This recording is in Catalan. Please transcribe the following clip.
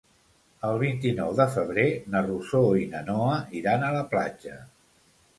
El vint-i-nou de febrer na Rosó i na Noa iran a la platja.